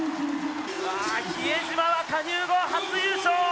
比江島は加入後初優勝。